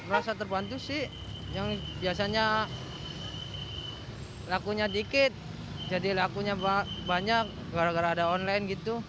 rasa terbantu sih yang biasanya lakunya dikit jadi lakunya banyak gara gara ada online gitu